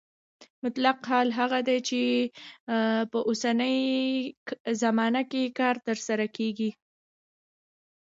مطلق حال هغه دی چې په اوسنۍ زمانه کې کار ترسره کیږي.